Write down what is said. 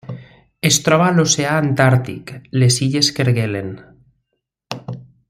Es troba a l'oceà Antàrtic: les illes Kerguelen.